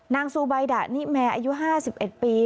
นางซูบายดะนี่แม่อายุ๕๑ปี